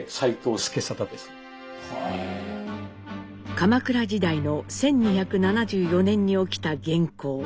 鎌倉時代の１２７４年に起きた元寇。